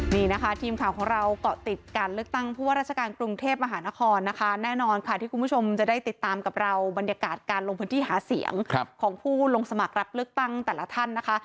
นี่นะคะทีมข่าวของเราเกาะติดการเลือกตั้งผู้ว่าราชการกรุงเทพมหานครนะคะแน่นอนค่ะที่คุณผู้ชมจะได้ติดตามกับเราบรรยากาศการลงพื้นที่หาเสียงของผู้ลงสมัครรับเลือกตั้งแต่ละท่านนะคะ